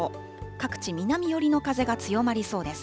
各地、南寄りの風が強まりそうです。